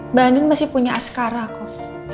mbak anin masih punya askara kok